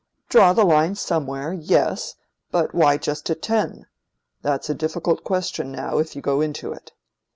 Draw the line somewhere—yes: but why just at ten? That's a difficult question, now, if you go into it."